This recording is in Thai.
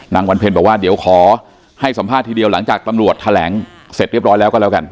วันเพลงบอกว่าเดี๋ยวขอให้สัมภาษณ์ทีเดียวหลังจากตำรวจแถลงเสร็จเรียบร้อยแล้วก็แล้วกัน